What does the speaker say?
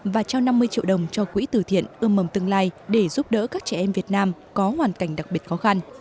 và trao năm mươi triệu đồng cho quỹ tử thiện ươm mầm tương lai để giúp đỡ các trẻ em việt nam có hoàn cảnh đặc biệt khó khăn